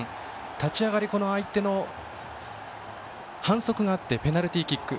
立ち上がり、相手の反則があってペナルティーキック。